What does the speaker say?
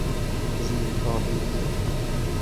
زیر تابهای